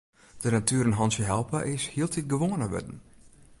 De natuer in hantsje helpe is hieltyd gewoaner wurden.